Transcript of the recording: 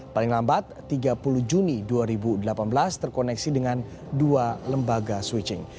paling lambat tiga puluh juni dua ribu delapan belas terkoneksi dengan dua lembaga switching